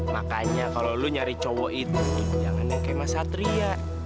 makanya kalau lu nyari cowok itu jangan yang kema satria